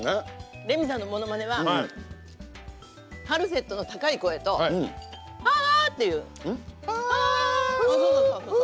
レミさんのものまねはファルセットの高い声でファ！っていう。